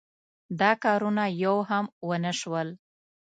دا کارونه یو هم ونشول.